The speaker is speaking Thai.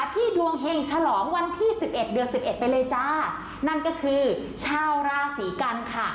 ดวงเห็งฉลองวันที่สิบเอ็ดเดือนสิบเอ็ดไปเลยจ้านั่นก็คือชาวราศีกันค่ะ